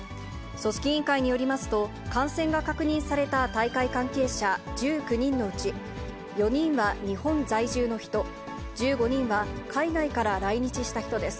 組織委員会によりますと、感染が確認された大会関係者１９人のうち、４人は日本在住の人、１５人は海外から来日した人です。